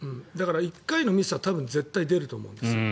だから１回のミスは絶対出ると思うんです。